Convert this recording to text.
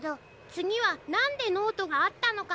つぎは「なんでノートがあったのか？」